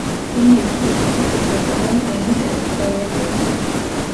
პლინიუს უფროსი ფიქრობდა, რომ ვენეტები ტროელები იყვნენ.